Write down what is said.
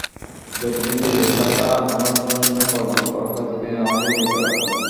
যতদিন বেঁচে থাকা আমার জন্যে কল্যাণকর হয় ততদিন আমাকে জীবিত রাখুন!